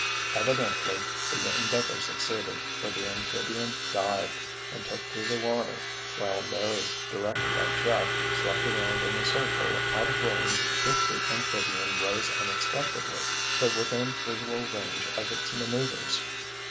Evidently the endeavor succeeded, for the amphibian dived, and took to the water, while Larry, directed by Jeff, swept around in a circle out of range if the amphibian rose unexpectedly, but within visual range of its maneuvers.